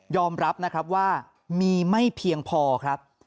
อมรับนะครับว่ามีไม่เพียงพอครับ